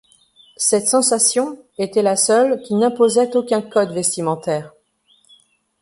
Cette Sensation était la seule qui n'imposait aucun code vestimentaire.